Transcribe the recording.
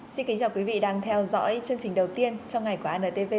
xin kính chào quý vị đang theo dõi chương trình đầu tiên trong ngày của antv